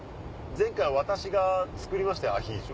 私が作りましたよアヒージョ。